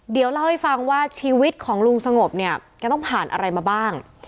เดี๋ยวเล่าให้ฟังว่าชีวิตของลุงสงบเนี่ยแกต้องผ่านอะไรมาบ้าง